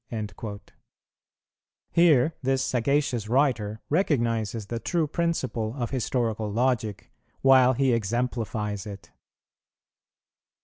"[113:3] Here this sagacious writer recognizes the true principle of historical logic, while he exemplifies it.